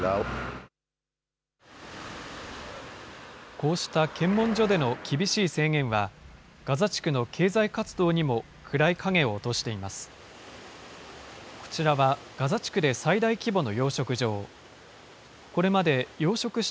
こうした検問所での厳しい制限は、ガザ地区の経済活動にも暗い影を落としています。